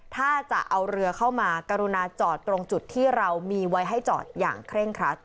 ถ้าจะเอาเรือเข้ามากรุณาจอดตรงจุดที่เรามีไว้ให้จอดอย่างเคร่งครัด